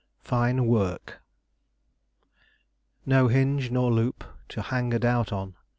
FINE WORK "No hinge nor loop To hang a doubt on!"